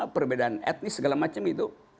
perbedaan etnis segala macam itu